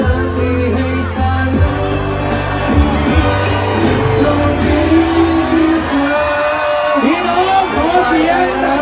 ขอบคุณทุกคนที่ให้ฉันคุณทุกคนที่ต้องกินที่เกิน